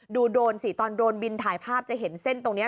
โดรนสิตอนโดนบินถ่ายภาพจะเห็นเส้นตรงนี้